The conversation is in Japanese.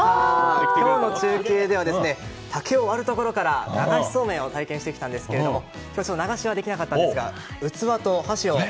今日の中継では竹を割るところから流しそうめんを体験してきたんですが今日、ちょっと流しはできなかったんですが器と箸を。